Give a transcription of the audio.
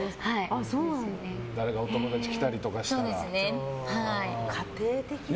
誰かお友達来たりとかしたら。